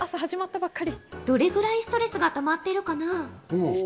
どれくらいストレスがたまっているかな？